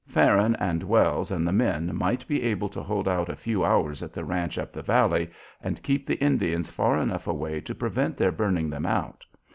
Farron and Wells and the men might be able to hold out a few hours at the ranch up the valley, and keep the Indians far enough away to prevent their burning them out.